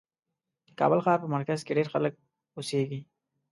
د کابل ښار په مرکز کې ډېر خلک اوسېږي.